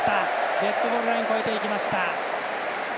デッドボールライン越えていきました。